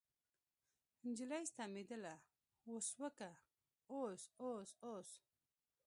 نجلۍ ستمېدله اوس وکه اوس اوس اوس.